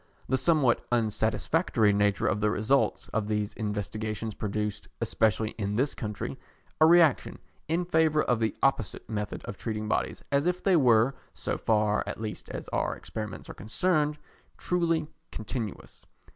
The somewhat unsatisfactory nature of the results of these investigations produced, especially in this country, a reaction in favour of the opposite method of treating bodies as if they were, so far at least as our experiments are concerned, truly continuous.